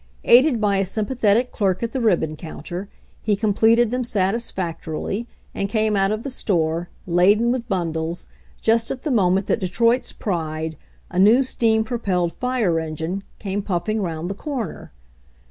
Aided by a sym pathetic clerk at the ribbon counter, he completed them satisfactorily, and came out of the store, laden with bundles, just at the moment that De troit's pride, a new steam propelled fire engine, came puffing around the corner.